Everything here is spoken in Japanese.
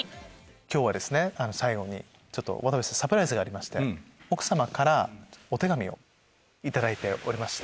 今日は最後に渡部さんにサプライズがありまして奥様からお手紙を頂いておりまして。